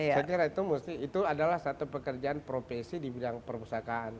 saya kira itu adalah satu pekerjaan profesi di bidang perpustakaan